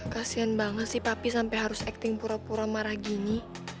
kasian banget sih papi sampai harus acting pura pura marah gini